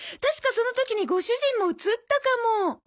確かその時にご主人も写ったかも。